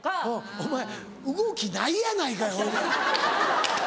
お前動きないやないかいほいで。